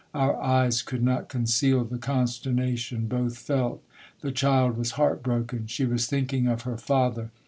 Our eyes could not conceal the consternation both felt. The child was heart broken. She was thinking of her father.